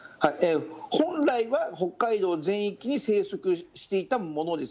本来は北海道全域に生息していたものです。